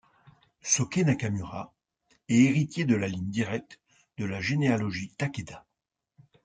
Soke Nakamura est héritier de la ligne directe de la généalogie Takeda.